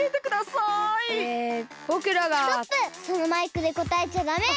そのマイクでこたえちゃダメ！